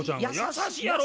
優しいやろ？